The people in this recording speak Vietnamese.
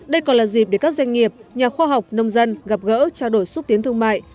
đây còn là dịp để các doanh nghiệp nhà khoa học nông dân gặp gỡ trao đổi xúc tiến thương mại